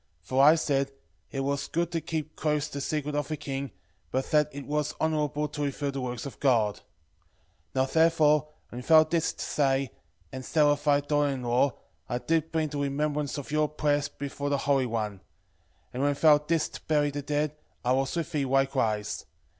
For I said, It was good to keep close the secret of a king, but that it was honourable to reveal the works of God. 12:12 Now therefore, when thou didst pray, and Sara thy daughter in law, I did bring the remembrance of your prayers before the Holy One: and when thou didst bury the dead, I was with thee likewise.